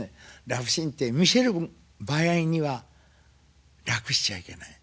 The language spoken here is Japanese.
ラブシーンって見せる場合には楽しちゃいけない。